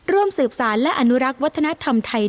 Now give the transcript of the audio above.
ร่วมสืบสารและอนุรักษ์วัฒนธรรมไทย